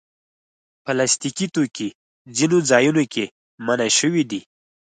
پلاستيکي توکي ځینو ځایونو کې منع شوي دي.